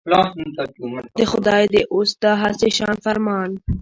د خدای دی اوس دا هسي شان فرمان.